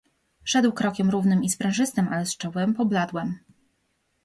"Szedł krokiem równym i sprężystym, ale z czołem pobladłem."